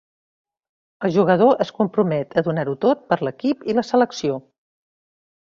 El jugador es compromet a donar-ho tot per l'equip i la selecció.